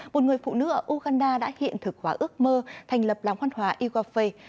một người phụ nữ ở uganda đã hiện thực hóa ước mơ thành lập làng văn hóa iwafi